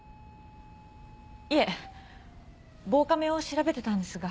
いえ防カメを調べてたんですが。